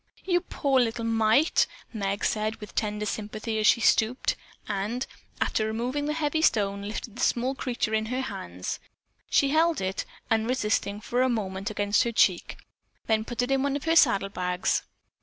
"You poor little mite," Meg said with tender sympathy as she stooped, and, after removing the heavy stone, lifted the small creature in her hands. She held it, unresisting, for a moment against her cheek, then put it into one of her saddle bags.